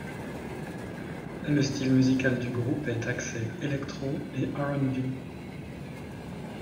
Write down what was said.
Le style musical du groupe est axé électro et RnB.